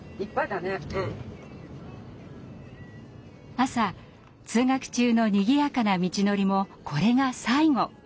朝通学中のにぎやかな道のりもこれが最後。